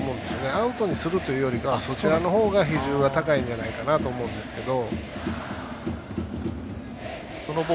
アウトにするというよりはそちらのほうが比重は高いと思うんですけど。